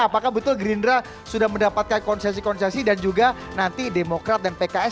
apakah betul gerindra sudah mendapatkan konsensi konsensi dan juga nanti demokrat dan pkn